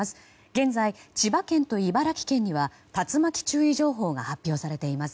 現在、千葉県と茨城県には竜巻注意情報が発表されています。